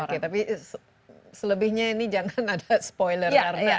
oke tapi selebihnya ini jangan ada spoiler